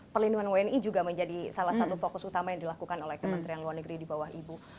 perlindungan wni juga menjadi salah satu fokus utama yang dilakukan oleh kementerian luar negeri di bawah ibu